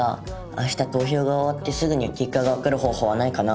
明日投票が終わってすぐに結果がわかる方法はないかな？